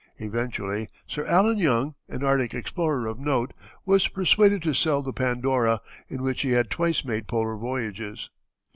Eventually Sir Allen Young, an Arctic explorer of note, was persuaded to sell the Pandora, in which he had twice made polar voyages.